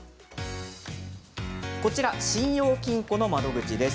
こちら信用金庫の窓口です。